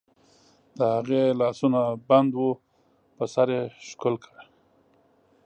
د هغې لاسونه بند وو، په سر یې ښکل کړ.